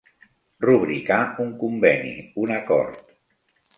Rubricar un conveni, un acord.